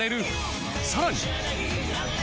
さらに